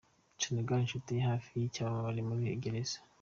Senegale Inshuti ya hafi y’icyamamare muri gereza